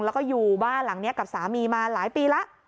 แล้วก็อยู่บ้านหลังนี้กับสามีมาหลายปีแล้ว